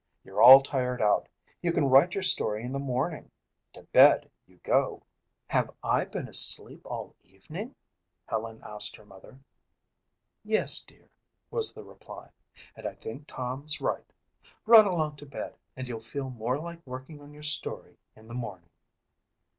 "You're all tired out. You can write your story in the morning. To bed you go." "Have I been asleep all evening?" Helen asked her mother. "Yes, dear," was the reply, "and I think Tom's right. Run along to bed and you'll feel more like working on your story in the morning."